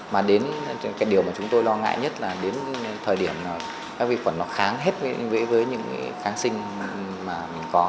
mà điều mà chúng tôi lo ngại nhất là đến thời điểm các vi khuẩn kháng hết với những kháng sinh mà mình có